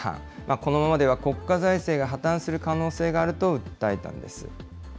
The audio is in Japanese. このままでは国家財政が破綻する可能性があると訴えたんです。